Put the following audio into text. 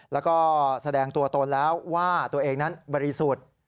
แล้วก็แสดงตัวตนแล้วว่าตัวเองนั้นบริสุทธิ์